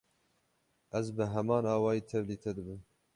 Ez bi heman awayî tevlî te dibim.